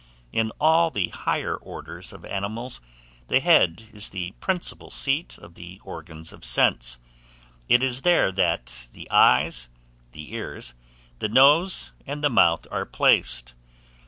In all the higher orders of animals, the head is the principal seat of the organs of sense. It is there that the eyes, the ears, the nose, and the mouth are placed.